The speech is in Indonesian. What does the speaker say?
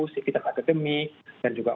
sekitar akademik dan juga